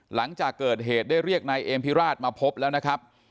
หลังจากเกิดเหตุได้เรียกนายเอมพิราชมาพบแล้วนะครับ